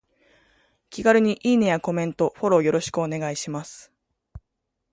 気軽にいいねやコメント、フォローよろしくお願いします。